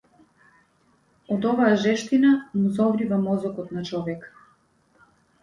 Од оваа жештина му зоврива мозокот на човека.